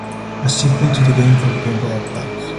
A sequel to the game for the Game Boy Advance.